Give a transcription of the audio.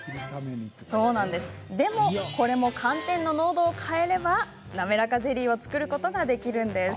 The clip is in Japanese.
でも、これも寒天の濃度を変えればなめらかゼリーを作ることができるんです。